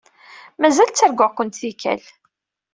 Mazal ttarguɣ-kent tikkal.